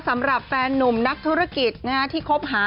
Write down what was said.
สำหรับแฟนนุ่มนักธุรกิจที่คบหา